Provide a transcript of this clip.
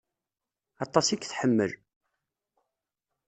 Aṭas i k-tḥemmel.